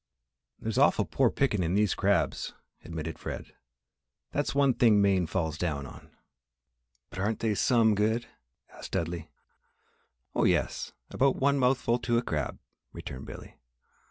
"There's awful poor pickin' in these crabs," admitted Fred. "That's one thing Maine falls down on." "But aren't they some good?" asked Dudley. "Oh, yes, about one mouthful to a crab," returned Billy.